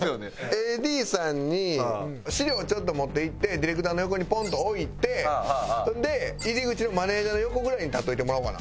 ＡＤさんに資料をちょっと持っていってディレクターの横にポンと置いて入り口のマネジャーの横ぐらいに立っといてもらおうかな。